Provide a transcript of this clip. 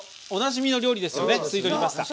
おなじみの料理です。